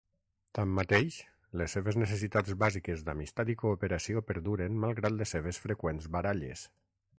Tanmateix, les seves necessitats bàsiques d'amistat i cooperació perduren malgrat les seves freqüents baralles.